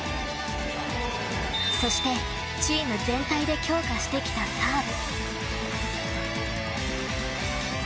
そして、チーム全体で強化してきたサーブ。